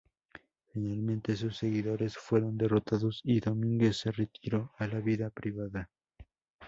Finalmente sus seguidores fueron derrotados y Domínguez se retiró a la vida privada.